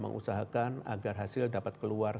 mengusahakan agar hasil dapat keluar